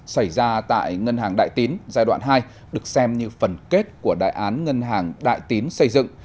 xảy ra tại ngân hàng đại tín giai đoạn hai được xem như phần kết của đại án ngân hàng đại tín xây dựng